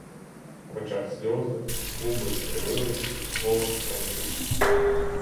В очах сльози, губи скривились, голос тремтить.